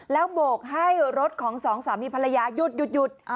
แล้วโบกให้รถของสองสามีภรรยาหยุด